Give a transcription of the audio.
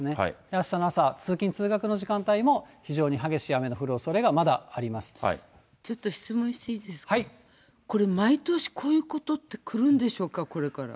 あしたの朝、通勤・通学の時間帯も非常に激しい雨の降るおそれがちょっと質問していいですか、これ、毎年こういうことって来るんでしょうか、これから。